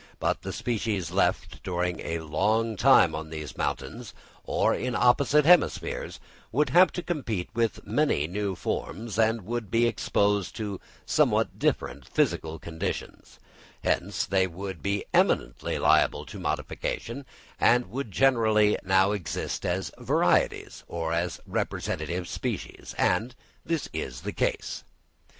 But the species left during a long time on these mountains, or in opposite hemispheres, would have to compete with many new forms and would be exposed to somewhat different physical conditions; hence, they would be eminently liable to modification, and would generally now exist as varieties or as representative species; and this is the case.